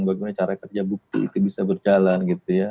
bagaimana cara kerja bukti itu bisa berjalan gitu ya